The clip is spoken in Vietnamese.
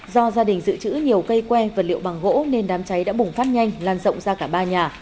do gia đình dự trữ nhiều cây que vật liệu bằng gỗ nên đám cháy đã bùng phát nhanh lan rộng ra cả ba nhà